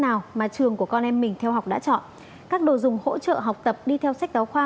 nào mà trường của con em mình theo học đã chọn các đồ dùng hỗ trợ học tập đi theo sách giáo khoa